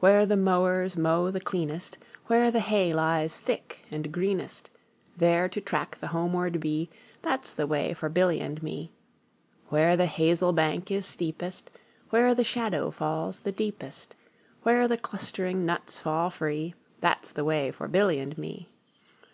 Where the mowers mow the cleanest, Where the hay lies thick and greenest, 10 There to track the homeward bee, That 's the way for Billy and me. Where the hazel bank is steepest, Where the shadow falls the deepest, Where the clustering nuts fall free, 15 That 's the way for Billy and me.